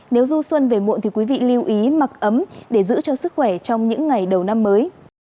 nếu du xuân về muộn thì quý vị lưu ý mặc ấm để giữ cho sức khỏe trong những ngày đầu năm mới